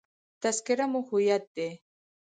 تذکره مو هویت دی.